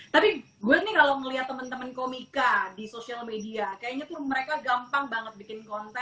tapi gue nih kalau melihat teman teman komika di social media kayaknya tuh mereka gampang banget bikin konten